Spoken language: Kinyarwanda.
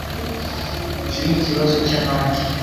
icyo nikibazo cyabandi